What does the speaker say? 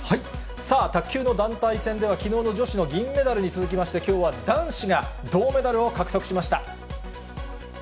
さあ、卓球の団体戦では、きのうの女子の銀メダルに続きまして、きょうは男子が銅メダルを獲得しました。